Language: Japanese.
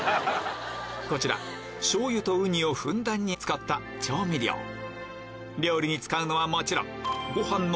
こちら醤油とウニをふんだんに合わせた調味料料理に使うのはもちろんどうよ？